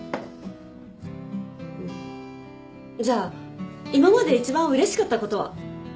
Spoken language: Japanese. じゃあ今まで一番うれしかったことは？